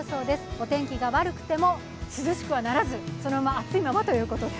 お天気が悪くても涼しくはならず、暑いままということです。